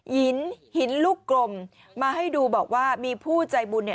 หินหินลูกกลมมาให้ดูบอกว่ามีผู้ใจบุญเนี่ย